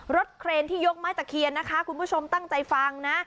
เครนที่ยกไม้ตะเคียนนะคะคุณผู้ชมตั้งใจฟังนะ